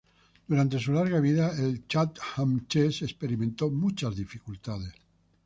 Durante su larga vida el Chatham Chest experimentó muchas dificultades.